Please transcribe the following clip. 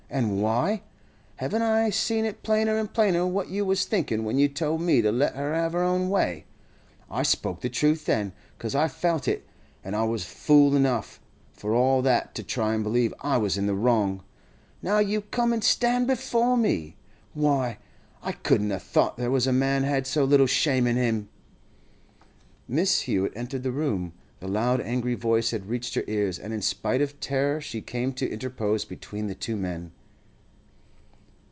An' why? Haven't I seen it plainer an' plainer what you was thinkin' when you told me to let her have her own way? I spoke the truth then—'cause I felt it; an' I was fool enough, for all that, to try an' believe I was in the wrong. Now you come an' stand before me—why, I couldn't a' thought there was a man had so little shame in him!' Mrs. Hewett entered the room; the loud angry voice had reached her ears, and in spite of terror she came to interpose between the two men.